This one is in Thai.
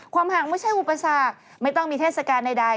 ความห่างไม่ใช่อุปสรรคไม่ต้องมีเทศกาลใด